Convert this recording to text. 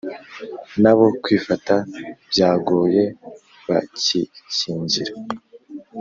N’abo kwifata byagoye bakikingira